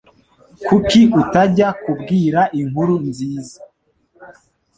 Kuki utajya kubwira inkuru nziza?